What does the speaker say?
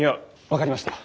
分かりました。